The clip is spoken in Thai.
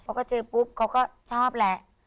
เขาก็เจอปุ๊บเขาก็ชอบแหละ